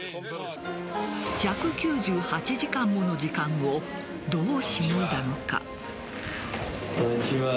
１９８時間もの時間をどうしのいだのか。